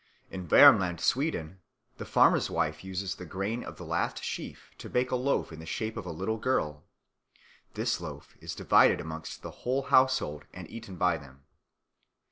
In Wermland, Sweden, the farmer's wife uses the grain of the last sheaf to bake a loaf in the shape of a little girl; this loaf is divided amongst the whole household and eaten by them.